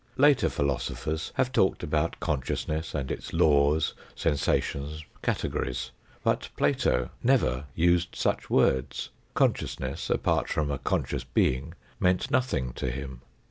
Later philosophers have talked about consciousness and its laws, sensations, categories. But Plato never used such words. Consciousness apart from a conscious being meant nothing to him.